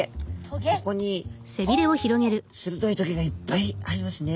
ここに鋭い棘がいっぱいありますね。